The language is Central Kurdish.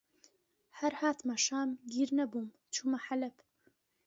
هەر هاتمە شام، گیر نەبووم چوومە حەڵەب